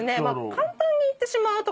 簡単に言ってしまうと。